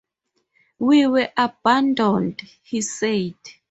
"We were abandoned," he said.